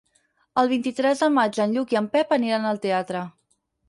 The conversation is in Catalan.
El vint-i-tres de maig en Lluc i en Pep aniran al teatre.